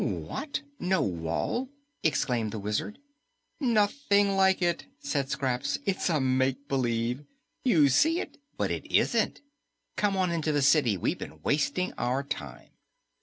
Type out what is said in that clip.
"What? No wall?" exclaimed the Wizard. "Nothing like it," said Scraps. "It's a make believe. You see it, but it isn't. Come on into the city; we've been wasting our time."